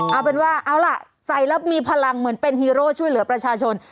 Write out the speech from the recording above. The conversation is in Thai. เอาเป็นว่าเอาล่ะใส่แล้วมีพลังเหมือนเป็นฮีโร่ช่วยเหลือประชาชน